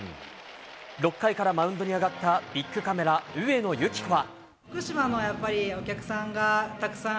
６回からマウンドに上がったビックカメラ、上野由岐子は。